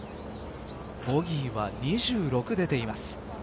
ボギーは２６出ています。